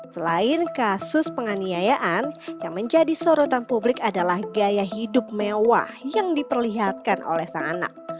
selain kasus penganiayaan yang menjadi sorotan publik adalah gaya hidup mewah yang diperlihatkan oleh sang anak